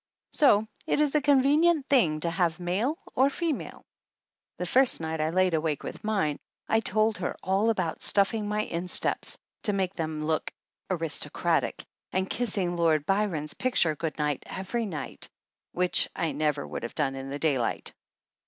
So it is a convenient thing to have, male or female. The first night I laid awake with mine I told her all about stuffing my insteps to make them look aristocratic and kissing Lord Byron's pic 166 THE ANNALS OF ANN ture good night every night, which I never would have done in the daylight.